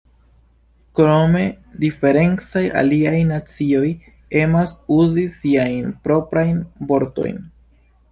Krome, diferencaj aliaj nacioj emas uzi siajn proprajn vortojn.